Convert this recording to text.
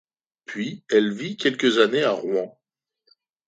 Puis elle vit quelques années à Rouen.